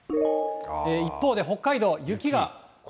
一方で北海道、雪が。